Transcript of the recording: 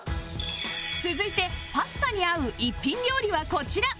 続いてパスタに合う一品料理はこちら